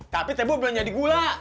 tapi tebu belum jadi gula